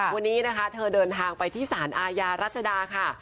วันนี้นะคะเธอเดินทางไปที่สารอาญารัชดาค่ะ